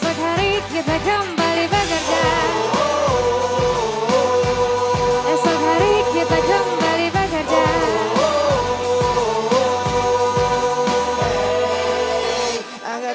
angkat tanganmu di udara setinggi tingginya